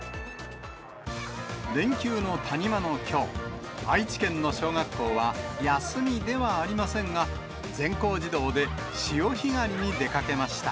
連休の谷間のきょう、愛知県の小学校は、休みではありませんが、全校児童で潮干狩りに出かけました。